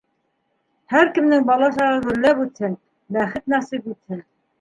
Һәр кемдең бала сағы гөрләп үтһен, бәхет насип итһен.